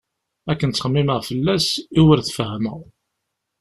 Akken ttxemmimeɣ fell-as i ur t-fehhmeɣ.